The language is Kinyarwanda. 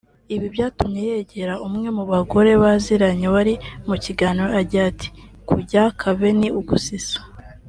Ibi byatumye yegera umwe mu bagore baziranye wari mu kiganiro agira ati “Kujya Kave ni ugusisa